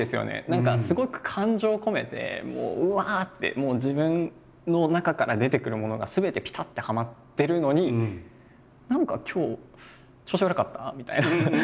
何かすごく感情を込めてうわってもう自分の中から出てくるものがすべてぴたってはまってるのに何か今日調子悪かった？みたいな感じになるの難しいですよね。